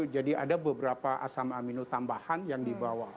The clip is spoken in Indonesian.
jadi ada beberapa asam amino tambahan yang dibawa